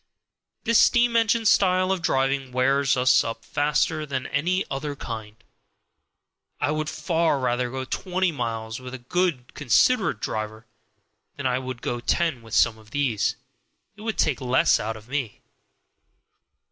This steam engine style of driving wears us up faster than any other kind. I would far rather go twenty miles with a good considerate driver than I would go ten with some of these; it would take less out of me.